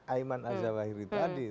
ayman azawahiri tadi